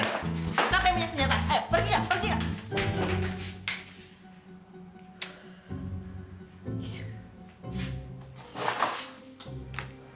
kau yang punya senjata ayo pergi gak pergi gak